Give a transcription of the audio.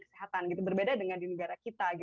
kesehatan berbeda dengan di negara kita